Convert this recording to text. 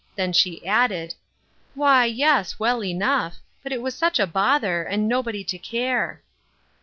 Then she added :" Why, yes, well enough ; but it was such a bother, and nobody to care."